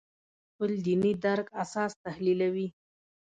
خپل دیني درک اساس تحلیلوي.